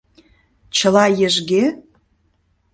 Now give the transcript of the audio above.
— Чыла ешге?